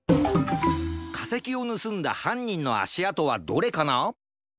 かせきをぬすんだはんにんのあしあとはどれかな？